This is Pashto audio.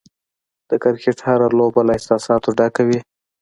د کرکټ هره لوبه له احساساتو ډکه وي.